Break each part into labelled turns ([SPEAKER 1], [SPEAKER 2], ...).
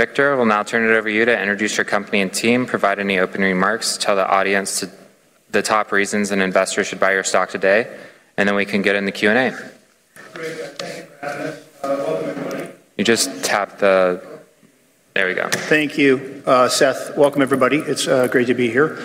[SPEAKER 1] Victor, we'll now turn it over to you to introduce your company and team, provide any open remarks, tell the audience the top reasons an investor should buy your stock today, and then we can get in the Q&A.
[SPEAKER 2] Great. Thank you for having us. Welcome everybody.
[SPEAKER 1] You just tap the... There we go.
[SPEAKER 2] Thank you, Seth. Welcome, everybody. It's great to be here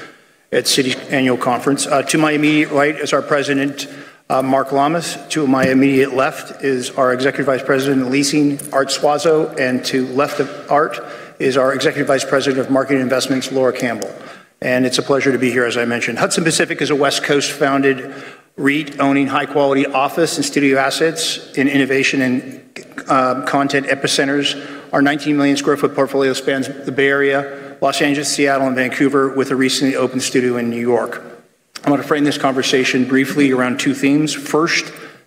[SPEAKER 2] at Citi's Annual Conference. To my immediate right is our President, Mark Lammas. To my immediate left is our Executive Vice President of Leasing, Arthur Suazo. To left of Arthur is our Executive Vice President of Market Investments, Laura Campbell. It's a pleasure to be here, as I mentioned. Hudson Pacific is a West Coast-founded REIT owning high-quality office and studio assets in innovation and content epicenters. Our 19 million sq ft portfolio spans the Bay Area, Los Angeles, Seattle, and Vancouver, with a recently opened studio in New York. I wanna frame this conversation briefly around two themes. First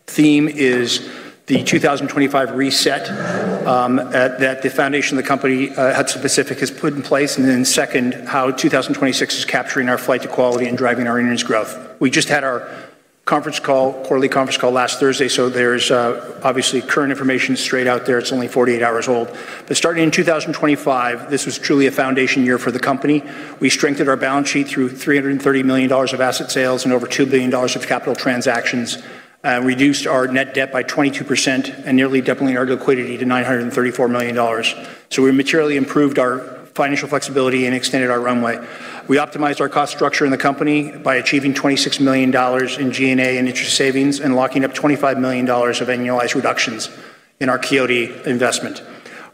[SPEAKER 2] theme is the 2025 reset that the foundation of the company, Hudson Pacific has put in place. Second, how 2026 is capturing our flight to quality and driving our earnings growth. We just had our conference call, Quarterly Conference Call last Thursday, so there's obviously current information straight out there. It's only 48 hours old. Starting in 2025, this was truly a foundation year for the company. We strengthened our balance sheet through $330 million of asset sales and over $2 billion of capital transactions, reduced our net debt by 22% and nearly doubling our liquidity to $934 million. We materially improved our financial flexibility and extended our runway. We optimized our cost structure in the company by achieving $26 million in G&A and interest savings and locking up $25 million of annualized reductions in our Quixote investment.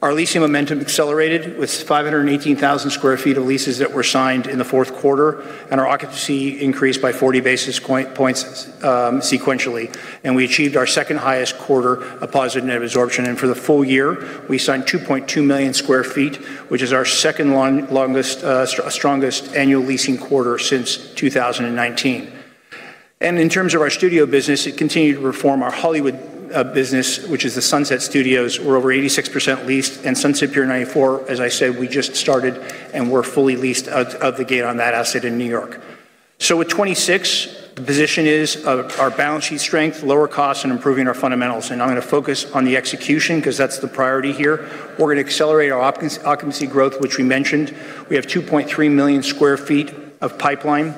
[SPEAKER 2] Our leasing momentum accelerated with 518,000 sq ft of leases that were signed in the fourth quarter. Our occupancy increased by 40 basis points sequentially. We achieved our second-highest quarter of positive net absorption. For the full year, we signed 2.2 million sq ft, which is our second longest, strongest annual leasing quarter since 2019. In terms of our studio business, it continued to reform our Hollywood business, which is the Sunset Studios. We're over 86% leased, and Sunset Pier 94, as I said, we just started, and we're fully leased out of the gate on that asset in New York. With 2026, the position is of our balance sheet strength, lower costs, and improving our fundamentals. I'm gonna focus on the execution because that's the priority here. We're gonna accelerate our occupancy growth, which we mentioned. We have 2.3 million sq ft of pipeline,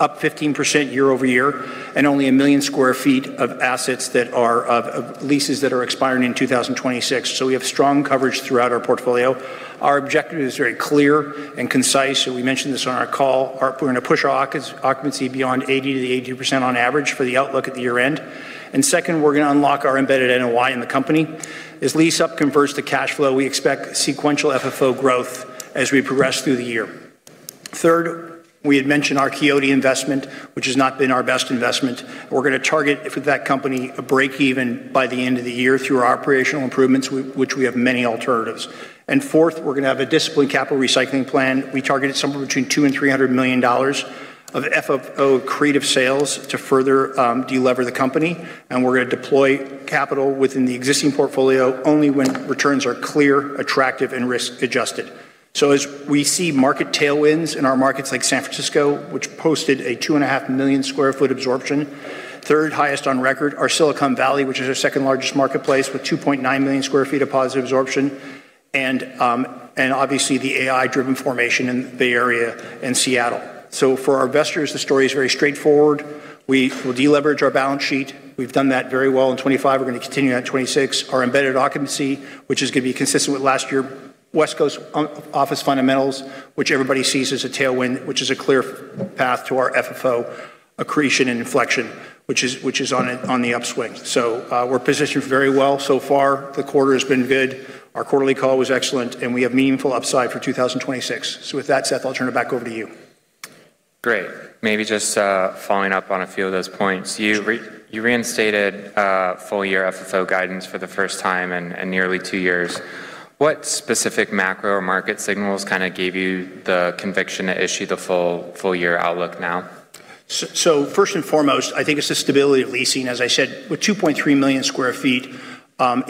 [SPEAKER 2] up 15% year-over-year, and only 1 million sq ft of assets that are of leases that are expiring in 2026. We have strong coverage throughout our portfolio. Our objective is very clear and concise, so we mentioned this on our call. We're gonna push our occupancy beyond 80%-82% on average for the outlook at the year-end. Second, we're gonna unlock our embedded NOI in the company. As lease-up converts to cash flow, we expect sequential FFO growth as we progress through the year. Third, we had mentioned our Quixote investment, which has not been our best investment. We're gonna target for that company a break-even by the end of the year through our operational improvements, which we have many alternatives. Fourth, we're gonna have a disciplined capital recycling plan. We targeted somewhere between $200 million and $300 million of FFO accretive sales to further delever the company, and we're gonna deploy capital within the existing portfolio only when returns are clear, attractive, and risk-adjusted. As we see market tailwinds in our markets like San Francisco, which posted a 2.5 million sq ft absorption, third highest on record. Our Silicon Valley, which is our second-largest marketplace with 2.9 million sq ft of positive absorption, and obviously the AI-driven formation in the Bay Area and Seattle. For our investors, the story is very straightforward. We will deleverage our balance sheet. We've done that very well in 2025. We're gonna continue that in 2026. Our embedded occupancy, which is gonna be consistent with last year, West Coast office fundamentals, which everybody sees as a tailwind, which is a clear path to our FFO accretion and inflection, which is on the upswing. We're positioned very well so far. The quarter has been good. Our quarterly call was excellent, and we have meaningful upside for 2026. With that, Seth, I'll turn it back over to you.
[SPEAKER 1] Great. Maybe just following up on a few of those points. You reinstated full year FFO guidance for the first time in nearly two years. What specific macro or market signals kinda gave you the conviction to issue the full year outlook now?
[SPEAKER 2] First and foremost, I think it's the stability of leasing. As I said, with 2.3 million sq ft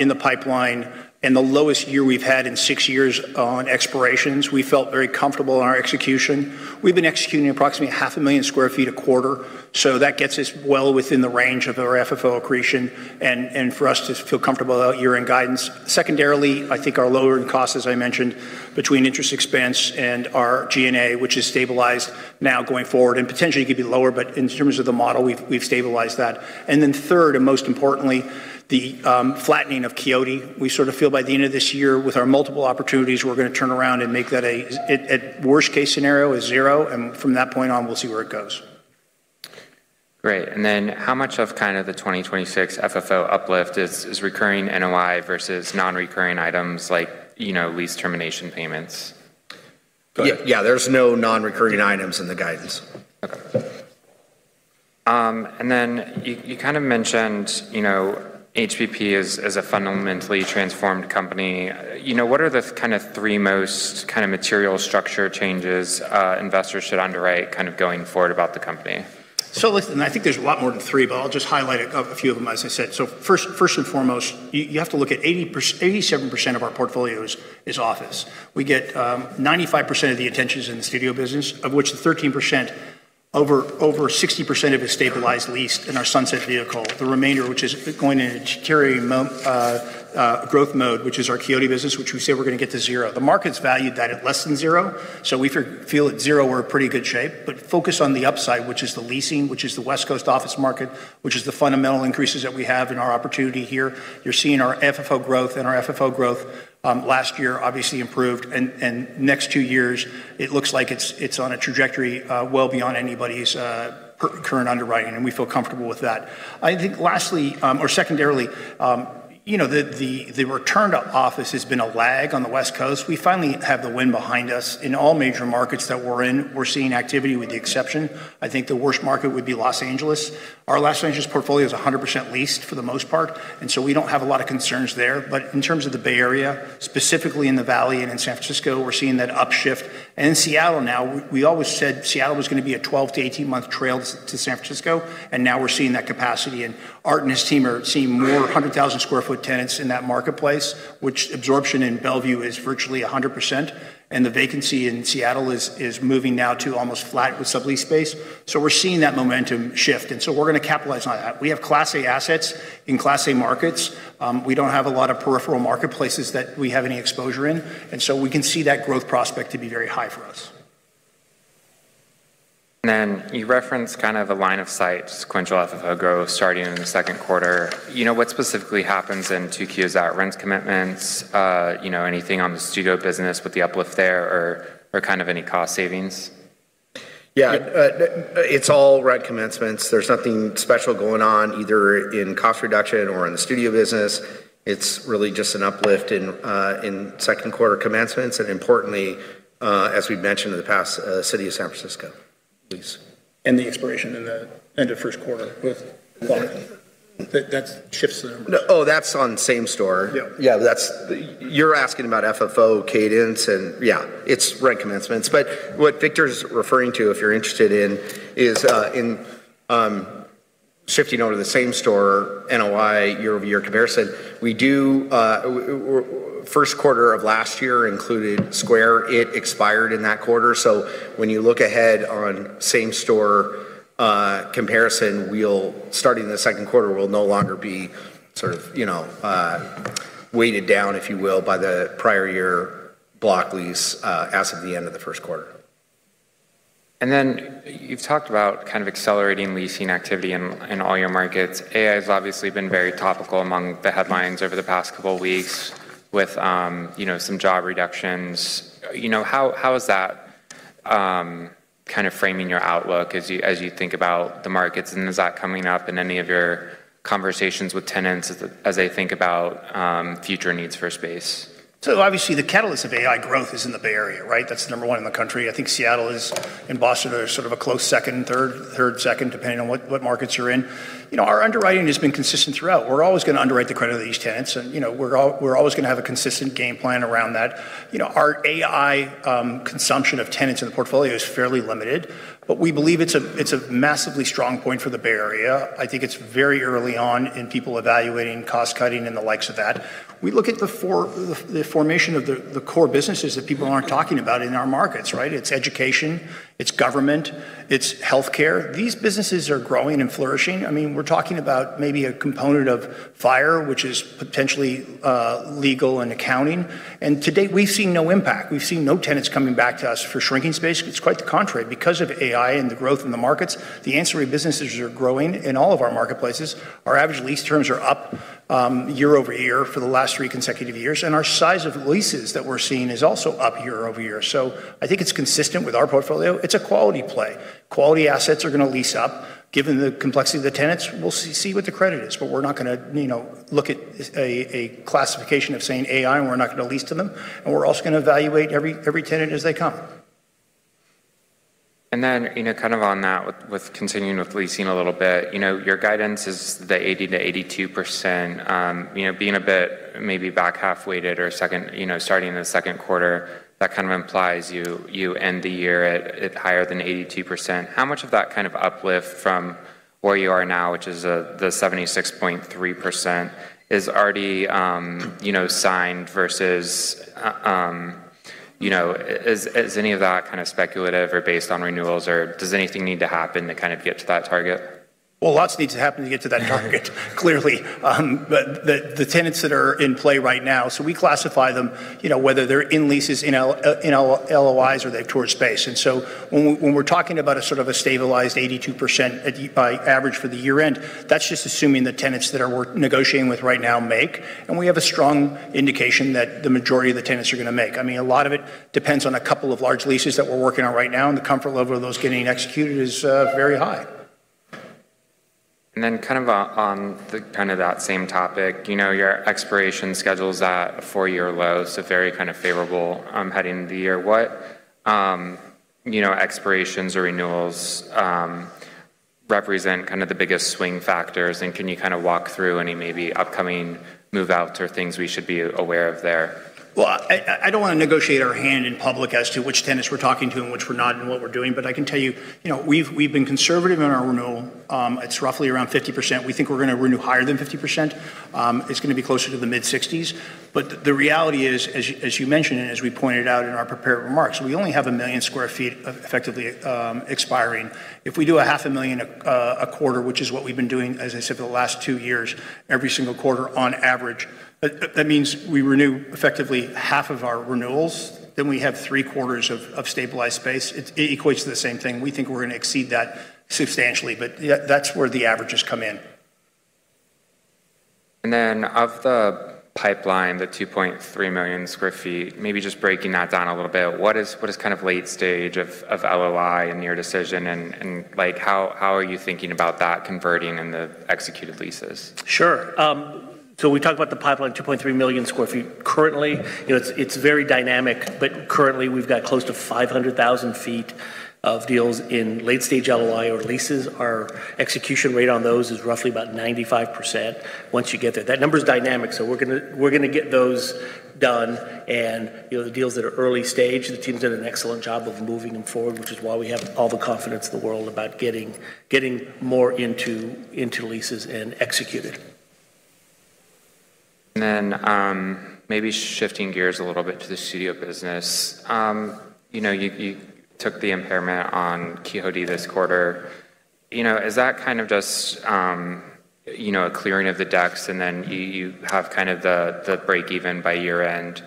[SPEAKER 2] in the pipeline and the lowest year we've had in six years on expirations, we felt very comfortable in our execution. We've been executing approximately 500,000 sq ft a quarter, so that gets us well within the range of our FFO accretion and for us to feel comfortable about year-end guidance. Secondarily, I think our lowered costs, as I mentioned, between interest expense and our G&A, which is stabilized now going forward and potentially could be lower, but in terms of the model, we've stabilized that. Then third, and most importantly, the flattening of Quixote. We sort of feel by the end of this year, with our multiple opportunities, we're gonna turn around and make that at worst case scenario, a zero. From that point on, we'll see where it goes.
[SPEAKER 1] Great. Then how much of kind of the 2026 FFO uplift is recurring NOI versus non-recurring items like, you know, lease termination payments?
[SPEAKER 2] Yeah, yeah. There's no non-recurring items in the guidance.
[SPEAKER 1] Okay. You kind of mentioned, you know, HPP as a fundamentally transformed company. You know, what are the kind of three most kind of material structure changes investors should underwrite kind of going forward about the company?
[SPEAKER 2] Listen, I think there's a lot more than three, but I'll just highlight a few of them, as I said. First and foremost, you have to look at 87% of our portfolio is office. We get 95% of the intentions in the studio business. Of which Over 60% of it stabilized leased in our Sunset Studios vehicle. The remainder, which is going into growth mode, which is our Quixote business, which we say we're gonna get to zero. The market's valued that at less than zero, we feel at zero we're in pretty good shape. Focus on the upside, which is the leasing, which is the West Coast office market, which is the fundamental increases that we have in our opportunity here. You're seeing our FFO growth last year obviously improved. Next two years it looks like it's on a trajectory well beyond anybody's current underwriting, and we feel comfortable with that. I think lastly, or secondarily, you know, the return to office has been a lag on the West Coast. We finally have the wind behind us. In all major markets that we're in, we're seeing activity with the exception. I think the worst market would be Los Angeles. Our Los Angeles portfolio is 100% leased for the most part, we don't have a lot of concerns there. In terms of the Bay Area, specifically in the Valley and in San Francisco, we're seeing that upshift. In Seattle now, we always said Seattle was gonna be a 12-18 month trail to San Francisco, now we're seeing that capacity. Art and his team are seeing more 100,000 sq ft tenants in that marketplace, which absorption in Bellevue is virtually 100%. The vacancy in Seattle is moving now to almost flat with sublease space. We're seeing that momentum shift, we're gonna capitalize on that. We have class A assets in class A markets. We don't have a lot of peripheral marketplaces that we have any exposure in, we can see that growth prospect to be very high for us.
[SPEAKER 1] You referenced kind of a line of sight sequential FFO growth starting in the second quarter. You know, what specifically happens in two Qs out, rent commitments, you know, anything on the studio business with the uplift there or kind of any cost savings?
[SPEAKER 3] Yeah. It's all rent commencements. There's nothing special going on either in cost reduction or in the studio business. It's really just an uplift in second quarter commencements, and importantly, as we've mentioned in the past, City of San Francisco lease.
[SPEAKER 2] The expiration in the end of first quarter with volume. That shifts the numbers.
[SPEAKER 3] No. Oh, that's on same-store.
[SPEAKER 2] Yeah.
[SPEAKER 3] Yeah. That's... You're asking about FFO cadence and, yeah, it's rent commencements. What Victor's referring to, if you're interested in, is shifting over to the same-store NOI year-over-year comparison, we do first quarter of last year included Square. It expired in that quarter. When you look ahead on same-store comparison, we'll starting in the second quarter, we'll no longer be sort of, you know, weighted down, if you will, by the prior year block lease as of the end of the first quarter.
[SPEAKER 1] Then you've talked about kind of accelerating leasing activity in all your markets. AI has obviously been very topical among the headlines over the past two weeks with, you know, some job reductions. You know, how is that kind of framing your outlook as you think about the markets? Is that coming up in any of your conversations with tenants as they think about future needs for space?
[SPEAKER 2] Obviously, the catalyst of AI growth is in the Bay Area, right? That's number one in the country. I think Seattle is, and Boston are sort of a close 2nd and 3rd, 2nd, depending on what markets you're in. You know, our underwriting has been consistent throughout. We're always gonna underwrite the credit of these tenants and, you know, we're always gonna have a consistent game plan around that. You know, our AI consumption of tenants in the portfolio is fairly limited, but we believe it's a, it's a massively strong point for the Bay Area. I think it's very early on in people evaluating cost-cutting and the likes of that. We look at the formation of the core businesses that people aren't talking about in our markets, right? It's education, it's government, it's healthcare. These businesses are growing and flourishing. I mean, we're talking about maybe a component of fire, which is potentially legal and accounting. To date, we've seen no impact. We've seen no tenants coming back to us for shrinking space. It's quite the contrary. Because of AI and the growth in the markets, the ancillary businesses are growing in all of our marketplaces. Our average lease terms are up year-over-year for the last three consecutive years, and our size of leases that we're seeing is also up year-over-year. I think it's consistent with our portfolio. It's a quality play. Quality assets are gonna lease up. Given the complexity of the tenants, we'll see what the credit is, but we're not gonna, you know, look at a classification of saying AI and we're not gonna lease to them. We're also gonna evaluate every tenant as they come.
[SPEAKER 1] You know, kind of on that with continuing with leasing a little bit. You know, your guidance is the 80%-82%. You know, being a bit maybe back half weighted or second, you know, starting in the second quarter, that kind of implies you end the year at higher than 82%. How much of that kind of uplift from where you are now, which is the 76.3%, is already, you know, signed versus is any of that kind of speculative or based on renewals, or does anything need to happen to kind of get to that target?
[SPEAKER 2] Well, lots needs to happen to get to that target, clearly. The tenants that are in play right now. We classify them, you know, whether they're in leases, in LOIs or they've toured space. When we're talking about a sort of a stabilized 82% by average for the year-end, that's just assuming the tenants that we're negotiating with right now make. We have a strong indication that the majority of the tenants are gonna make. I mean, a lot of it depends on a couple of large leases that we're working on right now, and the comfort level of those getting executed is very high.
[SPEAKER 1] Kind of, on the kind of that same topic. You know, your expiration schedule's at a four-year low, so very kind of favorable, heading into the year. You know, expirations or renewals? Represent kind of the biggest swing factors, and can you kind of walk through any maybe upcoming move-outs or things we should be aware of there?
[SPEAKER 2] Well, I don't want to negotiate our hand in public as to which tenants we're talking to and which we're not and what we're doing. I can tell you know, we've been conservative in our renewal. It's roughly around 50%. We think we're going to renew higher than 50%. It's going to be closer to the mid-60s. The reality is, as you mentioned, and as we pointed out in our prepared remarks, we only have 1 million sq ft of effectively expiring. If we do 500,000 sq ft a quarter, which is what we've been doing, as I said, for the last three years, every single quarter on average, that means we renew effectively half of our renewals, then we have three-quarters of stabilized space. It equates to the same thing. We think we're going to exceed that substantially, but yeah, that's where the averages come in.
[SPEAKER 1] Then of the pipeline, the 2.3 million sq ft, maybe just breaking that down a little bit. What is kind of late stage of LOI and near decision and like, how are you thinking about that converting in the executed leases?
[SPEAKER 3] Sure. We talked about the pipeline, 2.3 million sq ft. Currently, you know, it's very dynamic, but currently, we've got close to 500,000 sq ft of deals in late-stage LOI or leases. Our execution rate on those is roughly about 95% once you get there. That number is dynamic, so we're gonna get those done. You know, the deals that are early stage, the team's done an excellent job of moving them forward, which is why we have all the confidence in the world about getting more into leases and executed.
[SPEAKER 1] Maybe shifting gears a little bit to the studio business. You know, you took the impairment on Quixote this quarter. You know, is that kind of just, you know, a clearing of the decks, and then you have kind of the break-even by year-end?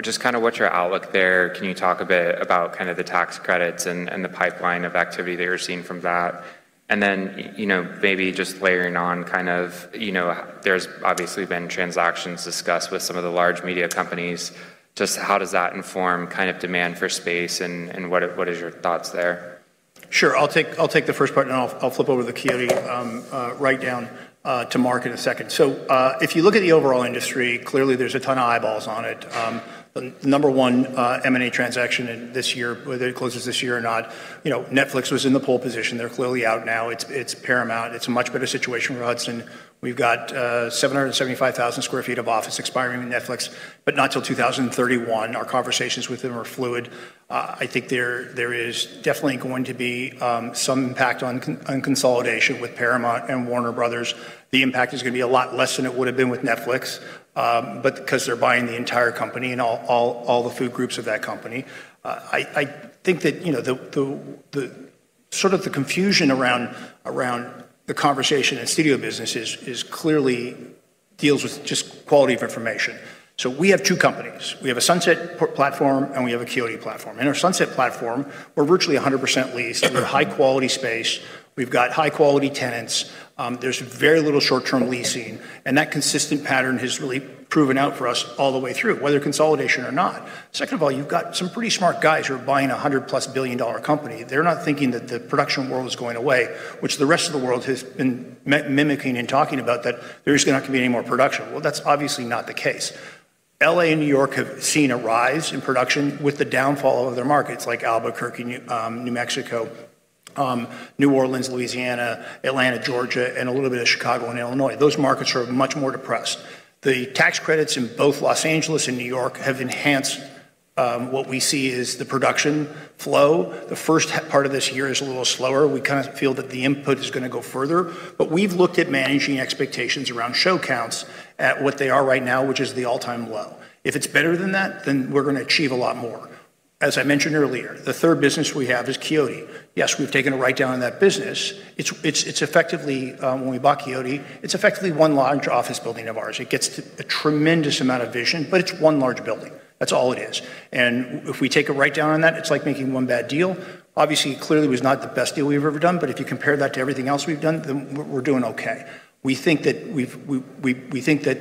[SPEAKER 1] Just kind of what's your outlook there? Can you talk a bit about kind of the tax credits and the pipeline of activity that you're seeing from that? You know, maybe just layering on kind of, you know, there's obviously been transactions discussed with some of the large media companies. Just how does that inform kind of demand for space and what is your thoughts there?
[SPEAKER 2] Sure. I'll take the first part, I'll flip over the Quixote write down to Mark in a second. If you look at the overall industry, clearly, there's a ton of eyeballs on it. The number one M&A transaction in this year, whether it closes this year or not, you know, Netflix was in the pole position. They're clearly out now. It's Paramount. It's a much better situation for Hudson. We've got 775,000 sq ft of office expiring in Netflix, but not till 2031. Our conversations with them are fluid. I think there is definitely going to be some impact on consolidation with Paramount and Warner Bros. The impact is gonna be a lot less than it would've been with Netflix, but because they're buying the entire company and all the food groups of that company. I think that, you know, the sort of the confusion around the conversation in studio business is clearly deals with just quality of information. We have two companies. We have a Sunset platform, and we have a Quixote platform. In our Sunset platform, we're virtually 100% leased. We have high-quality space. We've got high-quality tenants. There's very little short-term leasing, and that consistent pattern has really proven out for us all the way through, whether consolidation or not. Second of all, you've got some pretty smart guys who are buying a $100+ billion company. They're not thinking that the production world is going away, which the rest of the world has been mimicking and talking about that there's just not gonna be any more production. Well, that's obviously not the case. L.A. and New York have seen a rise in production with the downfall of their markets, like Albuquerque, New Mexico, New Orleans, Louisiana, Atlanta, Georgia, and a little bit of Chicago and Illinois. Those markets are much more depressed. The tax credits in both Los Angeles and New York have enhanced what we see as the production flow. The first part of this year is a little slower. We kind of feel that the input is gonna go further. We've looked at managing expectations around show counts at what they are right now, which is the all-time low. If it's better than that, then we're gonna achieve a lot more. As I mentioned earlier, the third business we have is Quixote. Yes, we've taken a write-down on that business. It's effectively, when we bought Quixote, it's effectively one large office building of ours. It gets a tremendous amount of vision, but it's one large building. That's all it is. If we take a write-down on that, it's like making one bad deal. Obviously, it clearly was not the best deal we've ever done, but if you compare that to everything else we've done, then we're doing okay. We think that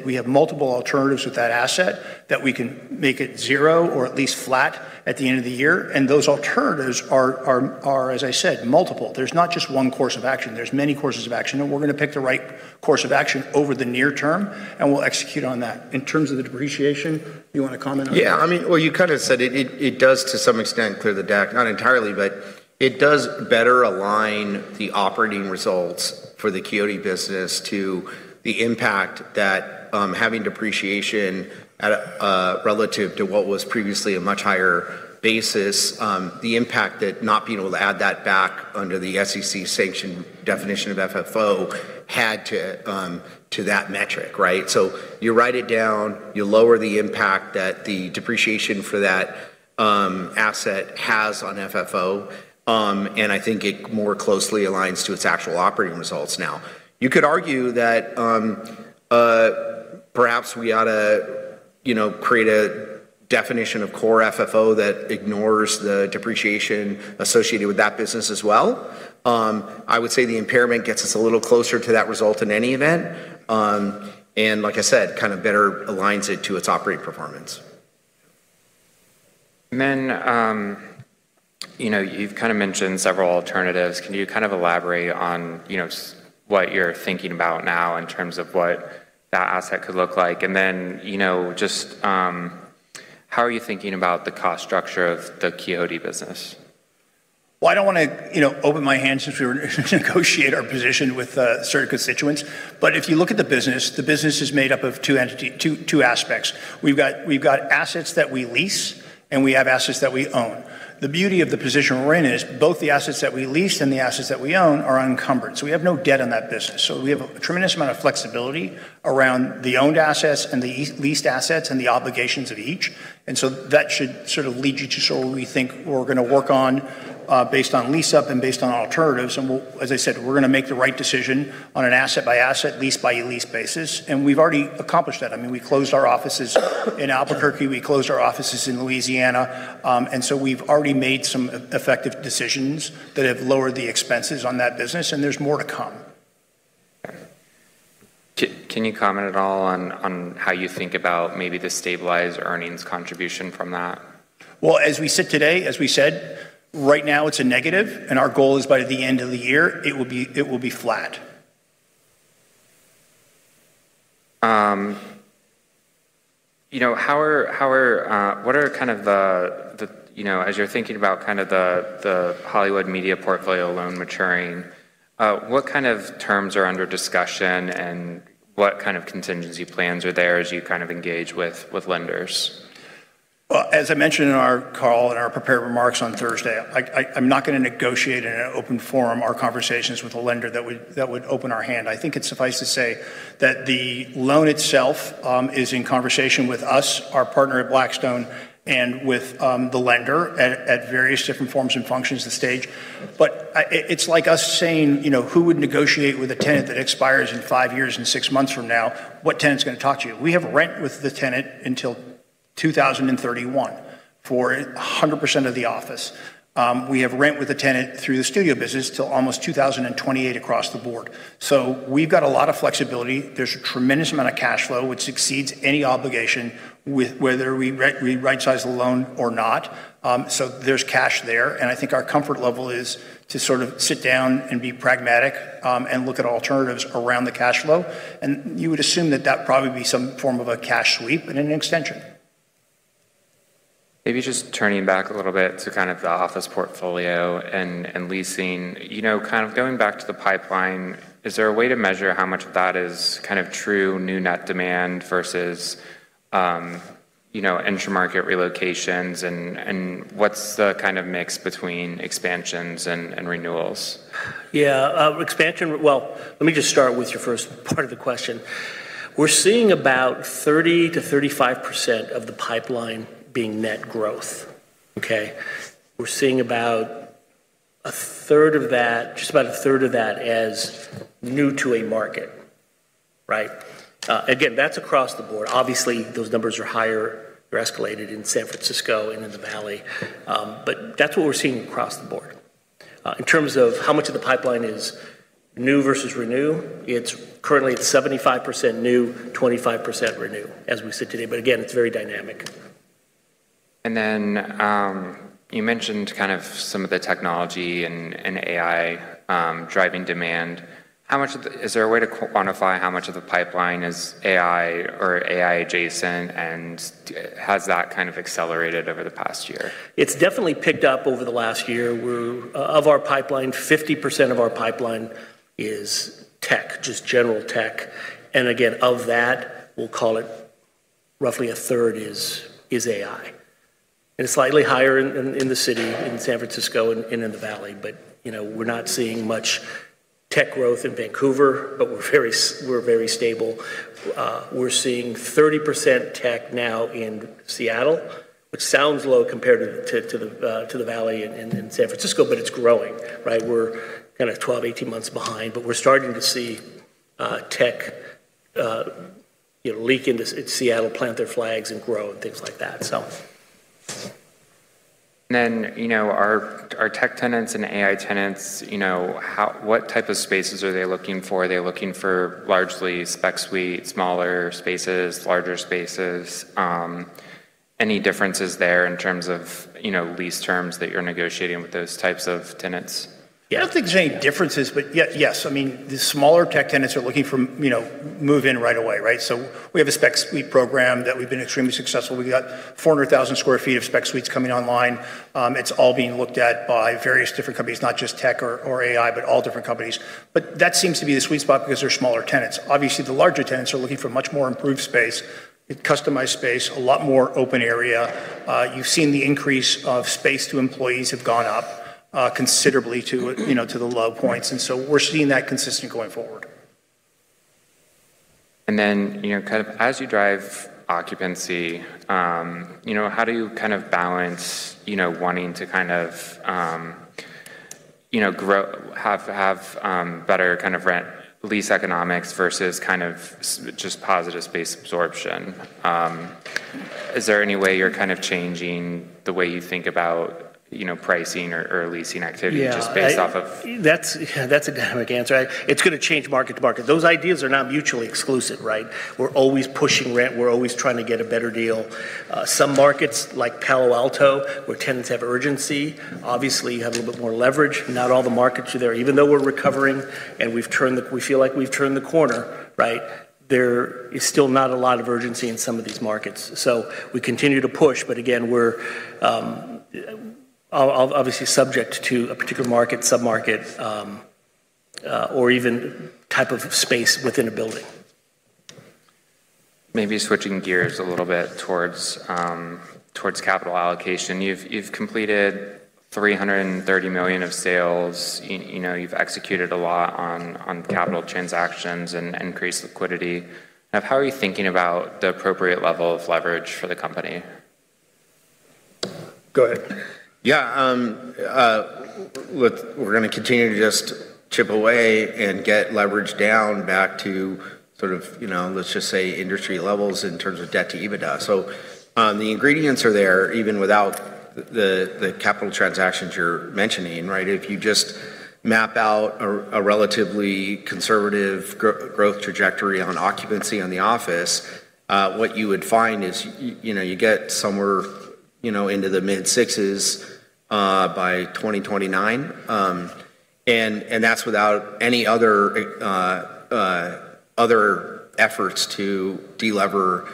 [SPEAKER 2] we have multiple alternatives with that asset, that we can make it zero or at least flat at the end of the year. Those alternatives are, as I said, multiple. There's not just one course of action. There's many courses of action, and we're gonna pick the right course of action over the near term, and we'll execute on that. In terms of the depreciation, you wanna comment on that?
[SPEAKER 3] Yeah. I mean, well, you kind of said it. It does, to some extent, clear the deck. Not entirely, but it does better align the operating results for the Quixote business to the impact that having depreciation at a relative to what was previously a much higher basis, the impact that not being able to add that back under the SEC sanction definition of FFO had to that metric, right? You write it down, you lower the impact that the depreciation for that asset has on FFO, and I think it more closely aligns to its actual operating results now. You could argue that perhaps we ought to, you know, create a definition of core FFO that ignores the depreciation associated with that business as well. I would say the impairment gets us a little closer to that result in any event, and like I said, kind of better aligns it to its operating performance.
[SPEAKER 1] Then, you know, you've kind of mentioned several alternatives. Can you kind of elaborate on, you know, what you're thinking about now in terms of what that asset could look like? Then, you know, just. How are you thinking about the cost structure of the Quixote business?
[SPEAKER 2] I don't wanna, you know, open my hand since we were negotiate our position with certain constituents. If you look at the business, the business is made up of two aspects. We've got assets that we lease, and we have assets that we own. The beauty of the position we're in is both the assets that we lease and the assets that we own are unencumbered. We have no debt on that business. We have a tremendous amount of flexibility around the owned assets and the leased assets and the obligations of each. That should sort of lead you to sort of where we think we're gonna work on based on lease-up and based on alternatives. As I said, we're gonna make the right decision on an asset-by-asset, lease-by-lease basis, and we've already accomplished that. I mean, we closed our offices in Albuquerque, we closed our offices in Louisiana, and so we've already made some effective decisions that have lowered the expenses on that business, and there's more to come.
[SPEAKER 1] Can you comment at all on how you think about maybe the stabilized earnings contribution from that?
[SPEAKER 2] Well, as we sit today, as we said, right now it's a negative, and our goal is by the end of the year, it will be flat.
[SPEAKER 1] You know, what are kind of the, you know, as you're thinking about kind of the Hollywood Media Portfolio loan maturing, what kind of terms are under discussion, and what kind of contingency plans are there as you kind of engage with lenders?
[SPEAKER 2] As I mentioned in our call, in our prepared remarks on Thursday, I'm not gonna negotiate in an open forum our conversations with a lender that would open our hand. I think it's suffice to say that the loan itself is in conversation with us, our partner at Blackstone, and with the lender at various different forms and functions of the stage. It's like us saying, you know, who would negotiate with a tenant that expires in five years and six months from now? What tenant's gonna talk to you? We have rent with the tenant until 2031 for 100% of the office. We have rent with the tenant through the Studio business till almost 2028 across the board. We've got a lot of flexibility. There's a tremendous amount of cash flow which exceeds any obligation with whether we rightsize the loan or not. There's cash there. I think our comfort level is to sort of sit down and be pragmatic, and look at alternatives around the cash flow. You would assume that that'd probably be some form of a cash sweep and an extension.
[SPEAKER 1] Maybe just turning back a little bit to kind of the office portfolio and leasing. You know, kind of going back to the pipeline, is there a way to measure how much of that is kind of true new net demand versus, you know, intra-market relocations? What's the kind of mix between expansions and renewals?
[SPEAKER 3] Yeah. Well, let me just start with your first part of the question. We're seeing about 30%-35% of the pipeline being net growth, okay? We're seeing about a third of that, just about a third of that as new to a market, right? Again, that's across the board. Obviously, those numbers are higher or escalated in San Francisco and in the Valley, but that's what we're seeing across the board. In terms of how much of the pipeline is new versus renew, it's currently 75% new, 25% renew as we sit today. Again, it's very dynamic.
[SPEAKER 1] You mentioned kind of some of the technology and AI, driving demand. Is there a way to quantify how much of the pipeline is AI or AI adjacent, and has that kind of accelerated over the past year?
[SPEAKER 3] It's definitely picked up over the last year. Of our pipeline, 50% of our pipeline is tech, just general tech. Again, of that, we'll call it roughly a third is AI. It's slightly higher in the city, in San Francisco and in the Valley. You know, we're not seeing much tech growth in Vancouver, but we're very stable. We're seeing 30% tech now in Seattle, which sounds low compared to the Valley and San Francisco, but it's growing, right? We're kind of 12, 18 months behind, but we're starting to see tech, you know, leak into in Seattle, plant their flags and grow, and things like that.
[SPEAKER 1] You know, our tech tenants and AI tenants, you know, what type of spaces are they looking for? Are they looking for largely spec suite, smaller spaces, larger spaces? Any differences there in terms of, you know, lease terms that you're negotiating with those types of tenants?
[SPEAKER 2] Yeah, I don't think there's any differences, yes. I mean, the smaller tech tenants are looking for, you know, move in right away, right? We have a spec suite program that we've been extremely successful. We've got 400,000 sq ft of spec suites coming online. It's all being looked at by various different companies, not just tech or AI, but all different companies. That seems to be the sweet spot because they're smaller tenants. Obviously, the larger tenants are looking for much more improved space and customized space, a lot more open area. You've seen the increase of space to employees have gone up considerably to, you know, to the low points. We're seeing that consistent going forward.
[SPEAKER 1] Then, you know, kind of as you drive occupancy, you know, how do you kind of balance, you know, wanting to kind of, you know, have better kind of lease economics versus just positive space absorption? Is there any way you're kind of changing the way you think about, you know, pricing or leasing activity just based off.
[SPEAKER 2] Yeah. That's a dynamic answer. It's gonna change market to market. Those ideas are not mutually exclusive, right? We're always pushing rent. We're always trying to get a better deal. Some markets like Palo Alto, where tenants have urgency, obviously you have a little bit more leverage. Not all the markets are there. Even though we're recovering and we feel like we've turned the corner, right? There is still not a lot of urgency in some of these markets. We continue to push, but again, we're Obviously subject to a particular market, sub-market, or even type of space within a building.
[SPEAKER 1] Maybe switching gears a little bit towards capital allocation. You've, you know, you've completed $330 million of sales. You, you know, you've executed a lot on capital transactions and increased liquidity. How are you thinking about the appropriate level of leverage for the company?
[SPEAKER 2] Go ahead.
[SPEAKER 3] Yeah, we're gonna continue to just chip away and get leverage down back to sort of, you know, let's just say industry levels in terms of debt to EBITDA. The ingredients are there even without the capital transactions you're mentioning, right? If you just map out a relatively conservative growth trajectory on occupancy on the office, what you would find is you know, you get somewhere, you know, into the mid-6s by 2029. And that's without any other efforts to de-lever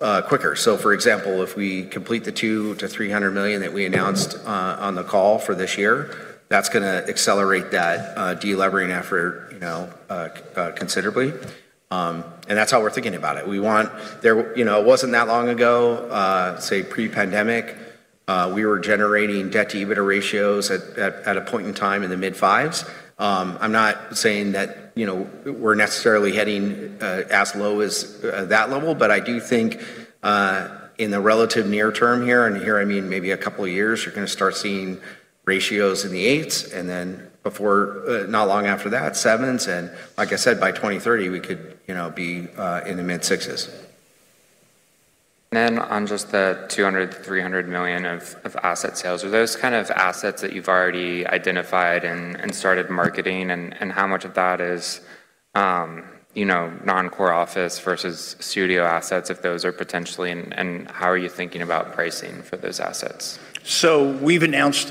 [SPEAKER 3] quicker. For example, if we complete the $200 million-$300 million that we announced on the call for this year, that's gonna accelerate that de-levering effort, you know, considerably. That's how we're thinking about it. There, you know, it wasn't that long ago, say pre-pandemic, we were generating debt-to-EBITDA ratios at a point in time in the mid-5s. I'm not saying that, you know, we're necessarily heading as low as that level, but I do think in the relative near term here, and here I mean maybe two years, you're gonna start seeing ratios in the 8s, then before not long after that, 7s. Like I said, by 2030, we could, you know, be in the mid-6s.
[SPEAKER 1] On just the $200 million-$300 million of asset sales, are those kind of assets that you've already identified and started marketing? How much of that is, you know, non-core office versus studio assets? How are you thinking about pricing for those assets?
[SPEAKER 2] We've announced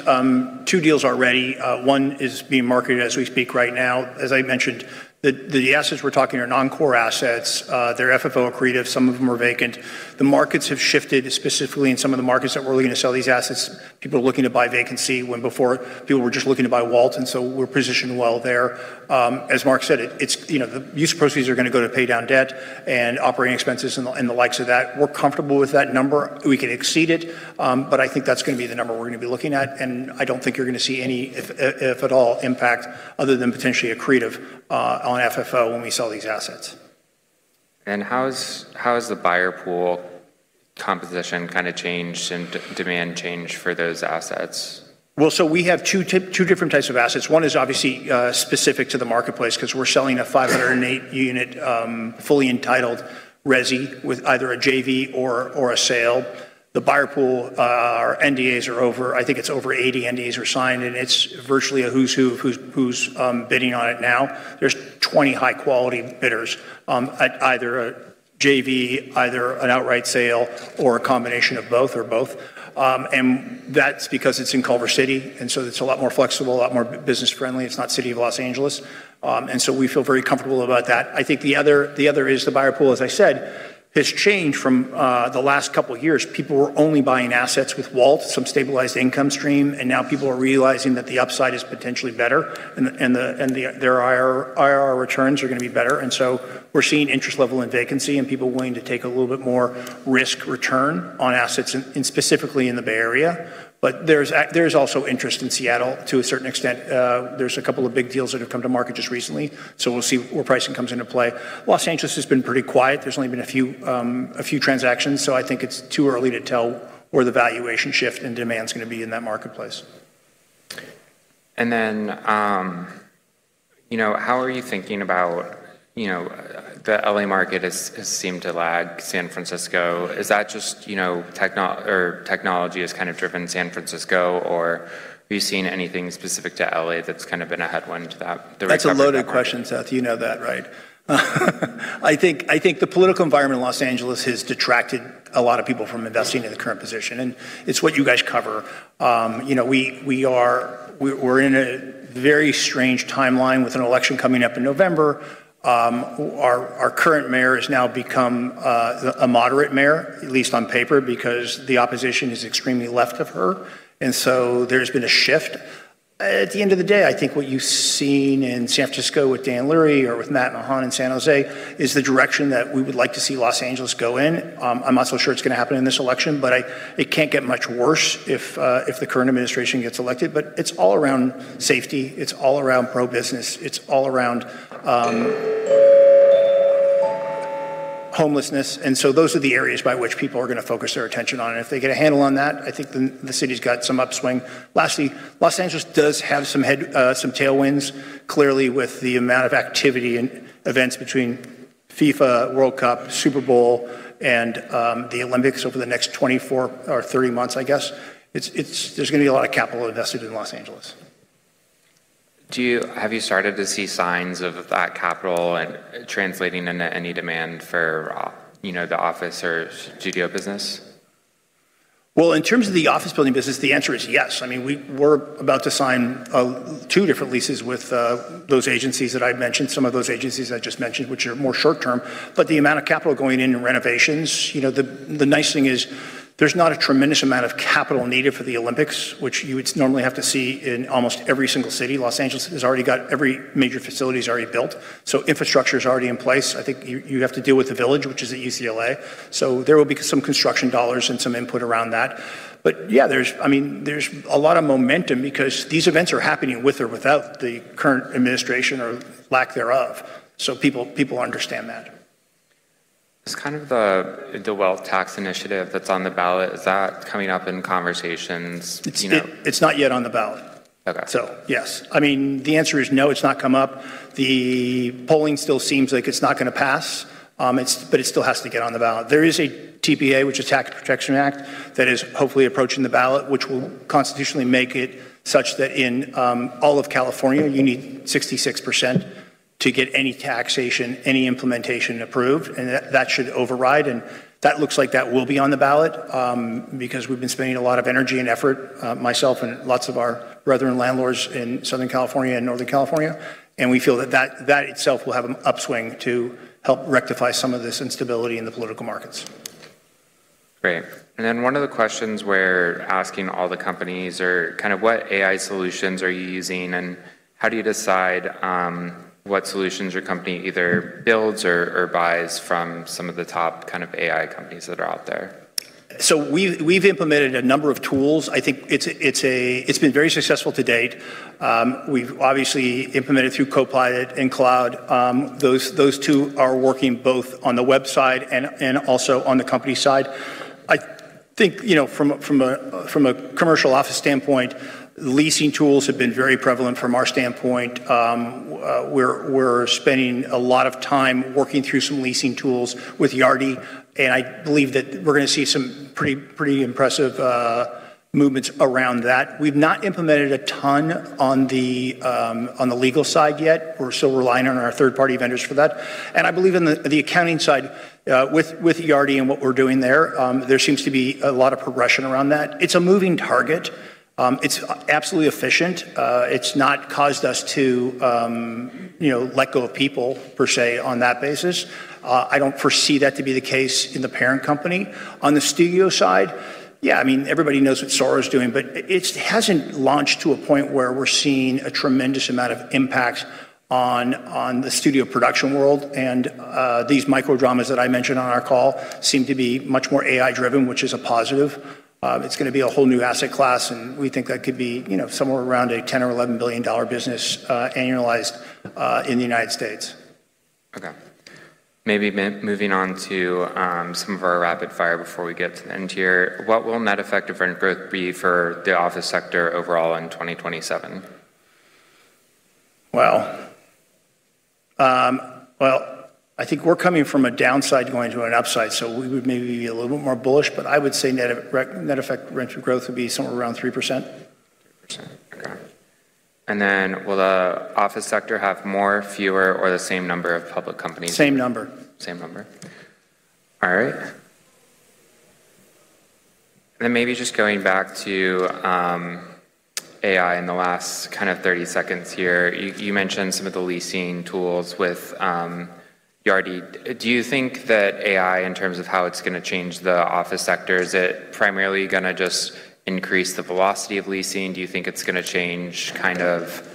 [SPEAKER 2] two deals already. One is being marketed as we speak right now. As I mentioned, the assets we're talking are non-core assets. They're FFO accretive. Some of them are vacant. The markets have shifted, specifically in some of the markets that we're looking to sell these assets. People are looking to buy vacancy when before people were just looking to buy WALT, we're positioned well there. As Mark said, it's, you know, the use of proceeds are gonna go to pay down debt and operating expenses and the likes of that. We're comfortable with that number. We can exceed it, but I think that's gonna be the number we're gonna be looking at, and I don't think you're gonna see any, if at all, impact other than potentially accretive, on FFO when we sell these assets.
[SPEAKER 1] How is, how has the buyer pool composition kind of changed and demand changed for those assets?
[SPEAKER 2] We have two different types of assets. One is obviously specific to the marketplace 'cause we're selling a 508 unit fully entitled resi with either a JV or a sale. The buyer pool, our NDAs are over. I think it's over 80 NDAs are signed, it's virtually a who's who of who's bidding on it now. There's 20 high-quality bidders at either a JV, either an outright sale, or a combination of both or both. That's because it's in Culver City, it's a lot more flexible, a lot more business friendly. It's not city of Los Angeles. We feel very comfortable about that. I think the other is the buyer pool, as I said, has changed from the last couple years. People were only buying assets with WALT, some stabilized income stream, and now people are realizing that the upside is potentially better and their IRR returns are gonna be better. We're seeing interest level in vacancy and people willing to take a little bit more risk return on assets specifically in the Bay Area. There's also interest in Seattle to a certain extent. There's a couple of big deals that have come to market just recently, we'll see where pricing comes into play. Los Angeles has been pretty quiet. There's only been a few transactions, I think it's too early to tell where the valuation shift and demand's gonna be in that marketplace.
[SPEAKER 1] How are you thinking about, you know, the L.A. market has seemed to lag San Francisco. Is that just, you know, technology has kind of driven San Francisco, or have you seen anything specific to L.A. that's kind of been a headwind to that, the recovery of that market?
[SPEAKER 2] That's a loaded question, Seth. You know that, right? I think the political environment in Los Angeles has detracted a lot of people from investing in the current position, and it's what you guys cover. You know, we're in a very strange timeline with an election coming up in November. Our current mayor has now become a moderate mayor, at least on paper, because the opposition is extremely left of her. There's been a shift. At the end of the day, I think what you've seen in San Francisco with Dan Lurie or with Matt Mahan in San Jose is the direction that we would like to see Los Angeles go in. I'm not so sure it's gonna happen in this election. It can't get much worse if the current administration gets elected. It's all around safety. It's all around pro-business. It's all around homelessness. Those are the areas by which people are gonna focus their attention on. If they get a handle on that, I think the city's got some upswing. Lastly, Los Angeles does have some head, some tailwinds, clearly with the amount of activity and events between FIFA World Cup, Super Bowl, and the Olympics over the next 24 or 30 months, I guess. There's gonna be a lot of capital invested in Los Angeles.
[SPEAKER 1] Have you started to see signs of that capital and translating into any demand for, you know, the office or studio business?
[SPEAKER 2] In terms of the office building business, the answer is yes. I mean, we're about to sign two different leases with those agencies that I've mentioned, some of those agencies I just mentioned, which are more short-term. The amount of capital going into renovations, you know, the nice thing is there's not a tremendous amount of capital needed for the Olympics, which you would normally have to see in almost every single city. Los Angeles has already got every major facilities already built, so infrastructure's already in place. I think you have to deal with the village, which is at UCLA. There will be some construction dollars and some input around that. Yeah, there's I mean, there's a lot of momentum because these events are happening with or without the current administration or lack thereof, so people understand that.
[SPEAKER 1] Just kind of the wealth tax initiative that's on the ballot, is that coming up in conversations? You know?
[SPEAKER 2] It's not yet on the ballot.
[SPEAKER 1] Okay.
[SPEAKER 2] Yes. I mean, the answer is no, it's not come up. The polling still seems like it's not gonna pass, but it still has to get on the ballot. There is a TPA, which is Tax Protection Act, that is hopefully approaching the ballot, which will constitutionally make it such that in all of California you need 66% to get any taxation, any implementation approved, and that should override. That looks like that will be on the ballot because we've been spending a lot of energy and effort, myself and lots of our brethren landlords in Southern California and Northern California. We feel that itself will have an upswing to help rectify some of this instability in the political markets.
[SPEAKER 1] Great. One of the questions we're asking all the companies are kind of what AI solutions are you using, and how do you decide what solutions your company either builds or buys from some of the top kind of AI companies that are out there?
[SPEAKER 2] We've implemented a number of tools. I think it's been very successful to date. We've obviously implemented through Copilot and Google Cloud. Those two are working both on the website and also on the company side. I think, you know, from a commercial office standpoint, leasing tools have been very prevalent from our standpoint. We're spending a lot of time working through some leasing tools with Yardi, and I believe that we're gonna see some pretty impressive movements around that. We've not implemented a ton on the legal side yet. We're still relying on our third-party vendors for that. I believe in the accounting side, with Yardi and what we're doing there seems to be a lot of progression around that. It's a moving target. It's absolutely efficient. It's not caused us to, you know, let go of people per se on that basis. I don't foresee that to be the case in the parent company. On the studio side, yeah, I mean, everybody knows what Sora's doing, but it hasn't launched to a point where we're seeing a tremendous amount of impact on the studio production world. These Micro-dramas that I mentioned on our call seem to be much more AI-driven, which is a positive. It's gonna be a whole new asset class, and we think that could be, you know, somewhere around a $10 billion-$11 billion business, annualized, in the United States.
[SPEAKER 1] Okay. Maybe moving on to some of our rapid fire before we get to the end here. What will Net Effective Rent growth be for the office sector overall in 2027?
[SPEAKER 2] Well. I think we're coming from a downside going to an upside, so we would maybe be a little bit more bullish, but I would say Net Effective Rent growth would be somewhere around 3%.
[SPEAKER 1] 3%. Okay. Will the office sector have more, fewer, or the same number of public companies?
[SPEAKER 2] Same number.
[SPEAKER 1] Same number. All right. Then maybe just going back to AI in the last kind of 30 seconds here. You mentioned some of the leasing tools with Yardi. Do you think that AI, in terms of how it's gonna change the office sector, is it primarily gonna just increase the velocity of leasing? Do you think it's gonna change kind of,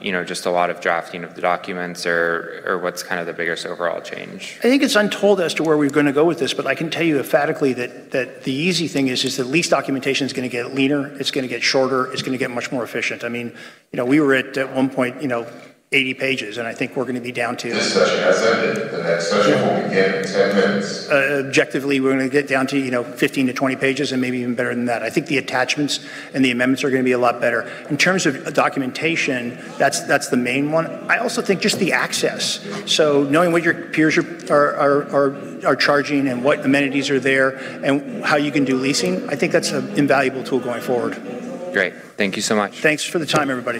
[SPEAKER 1] you know, just a lot of drafting of the documents or what's kind of the biggest overall change?
[SPEAKER 2] I think it's untold as to where we're gonna go with this, but I can tell you emphatically that the easy thing is the lease documentation's gonna get leaner, it's gonna get shorter, it's gonna get much more efficient. I mean, you know, we were at one point, you know, 80 pages, and I think we're gonna be down to.
[SPEAKER 1] This session has ended. The next session will begin in 10 minutes.
[SPEAKER 2] Objectively, we're gonna get down to, you know, 15 to 20 pages and maybe even better than that. I think the attachments and the amendments are gonna be a lot better. In terms of documentation, that's the main one. I also think just the access. Knowing what your peers are charging and what amenities are there and how you can do leasing, I think that's an invaluable tool going forward.
[SPEAKER 1] Great. Thank you so much.
[SPEAKER 2] Thanks for the time, everybody.